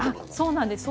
そうなんです。